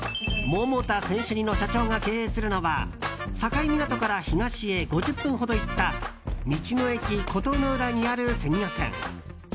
桃田選手似の社長が経営するのは境港から東へ５０分ほど行った道の駅琴の浦にある鮮魚店。